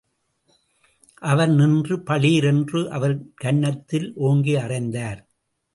அவர் நின்று, பளிர் என்று அவன் கன்னத் தில் ஓங்கி அறைந்தார்.